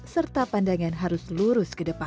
serta pandangan harus lurus